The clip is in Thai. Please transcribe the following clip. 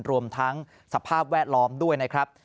รวมทั้งสภาพแวดล้อมด้วยนะครับ